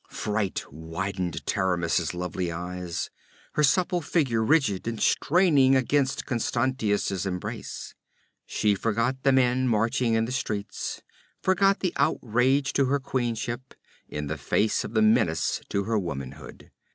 Fright widened Taramis's lovely eyes, her supple figure rigid and straining against Constantius's embrace. She forgot the men marching in the streets, forgot the outrage to her queenship, in the face of the menace to her womanhood.